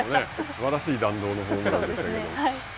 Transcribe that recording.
すばらしい弾道のホームランでしたけれども。